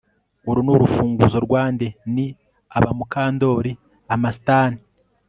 Uru ni urufunguzo rwa nde Ni aba Mukandoli Amastan